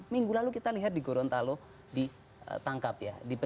minggu lalu kita lihat di gorontalo ditangkap ya